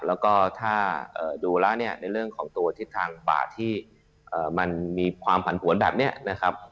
แล้วก็ถ้าดูแล้วเนี่ยในเรื่องของตัวทิศทางบาดที่มันมีความผันผวนแบบนี้นะครับ